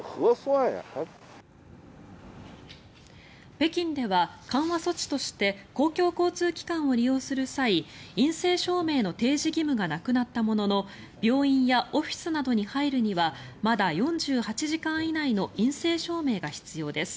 北京では緩和措置として公共交通機関を利用する際陰性証明の提示義務がなくなったものの病院やオフィスなどに入るにはまだ４８時間以内の陰性証明が必要です。